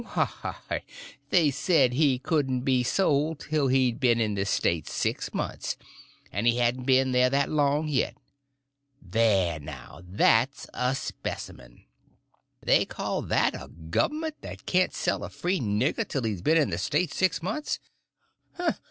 Why, they said he couldn't be sold till he'd been in the State six months, and he hadn't been there that long yet. There, now—that's a specimen. They call that a govment that can't sell a free nigger till he's been in the State six months.